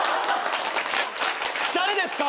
誰ですか！？